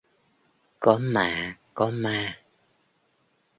Có mạ, có ma